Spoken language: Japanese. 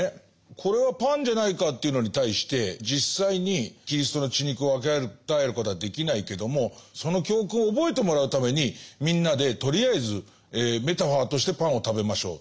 「これはパンじゃないか」というのに対して「実際にキリストの血肉を分け与えることはできないけどもその教訓を覚えてもらうためにみんなでとりあえずメタファーとしてパンを食べましょう」。